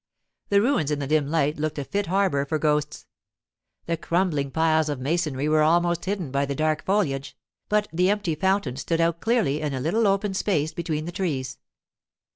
The ruins in the dim light looked a fit harbour for ghosts. The crumbling piles of masonry were almost hidden by the dark foliage, but the empty fountain stood out clearly in a little open space between the trees.